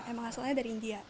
emang asalnya dari india